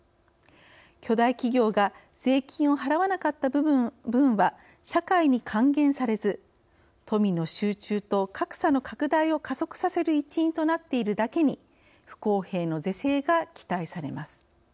巨大企業が税金を払わなかった分は社会に還元されず富の集中と格差の拡大を加速させる一因となっているだけに不公平の是正が期待されます。